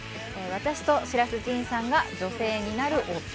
私と白洲迅さんが女性になる夫を。